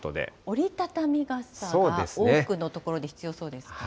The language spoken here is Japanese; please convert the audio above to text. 折り畳み傘が多くの所で必要そうですね。